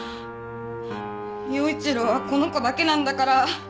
耀一郎はこの子だけなんだから。